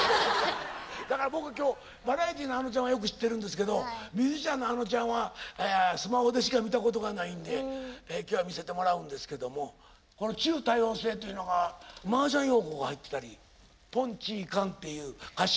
だから僕今日バラエティーのあのちゃんはよく知ってるんですけどミュージシャンのａｎｏちゃんはスマホでしか見たことがないんで今日は見せてもらうんですけどもこの「ちゅ、多様性。」というのがマージャン用語が入ってたり「ポン・チー・カン」っていう歌詞。